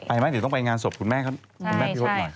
ไปไหมถึงต้องไปงานศพคุณแม่พี่พจน์หน่อย